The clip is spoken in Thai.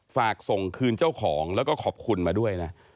ฝากส่งคืนเจ้าของแล้วก็ขอบคุณมาด้วยนะ